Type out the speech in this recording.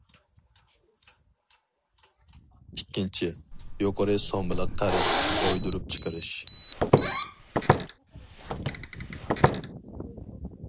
ئىككىنچى، يۇقىرى سوممىلىق قەرز ئويدۇرۇپ چىقىرىش.